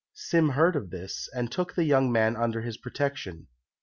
Sim heard of this, and took the young man under his protection.